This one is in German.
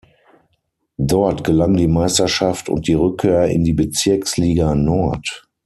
Dort gelang die Meisterschaft und die Rückkehr in die Bezirksliga Nord.